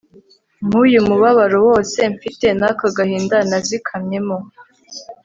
nk'uyu mubabaro wose mfite n'aka gahinda nazikamyemo